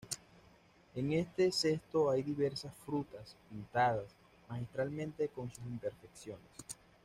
En este cesto hay diversas frutas, pintadas magistralmente con sus imperfecciones.